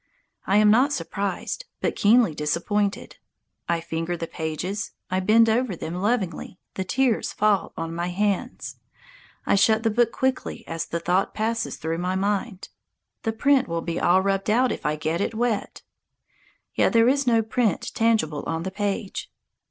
I am not surprised, but keenly disappointed. I finger the pages, I bend over them lovingly, the tears fall on my hands. I shut the book quickly as the thought passes through my mind, "The print will be all rubbed out if I get it wet." Yet there is no print tangible on the page!